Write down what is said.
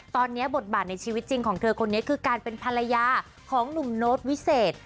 ตอนนี้บทบาทในชีวิตจริงของเธอคนนี้คือการเป็นภรรยาของหนุ่มโน้ตวิเศษ